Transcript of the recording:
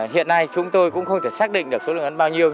hiện nay chúng tôi cũng không thể xác định được số lượng ấn bao nhiêu